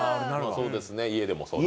そうですね家でも。